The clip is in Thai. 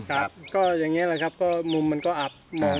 ครับก็อย่างนี้แหละครับก็มุมมันก็อัด